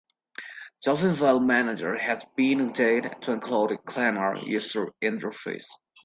Dolphin file manager has been updated to include a cleaner user interface.